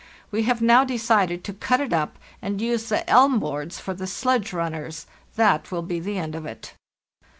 We have now decided to cut it up and use the elm boards for the sledge runners. That will be the end of it.